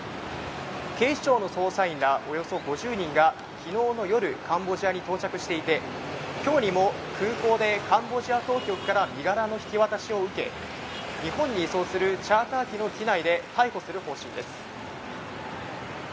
警視庁の捜査員らおよそ５０人が昨日の夜、カンボジアに到着していて、今日にも空港でカンボジア当局から身柄の引き渡しを受け、日本に移送するチャーター機の機内で逮捕する方針です。